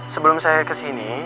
sebelum saya kesini